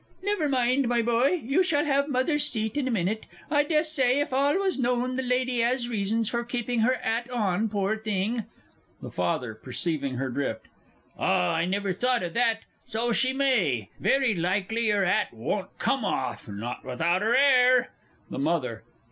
Never mind, my boy, you shall have Mother's seat in a minute. I dessay, if all was known, the lady 'as reasons for keeping her 'at on, pore thing! THE FATHER (perceiving her drift). Ah, I never thought o' that. So she may. Very likely her 'at won't come off not without her 'air! THE MOTHER.